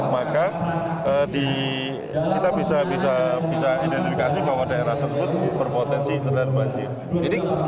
maka kita bisa identifikasi bahwa daerah tersebut berpotensi terhadap banjir